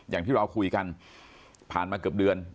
อย่างที่เราคุยกันผ่านมาเกือบเดือน